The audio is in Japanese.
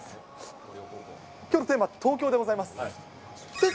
きょうのテーマは東京でございます。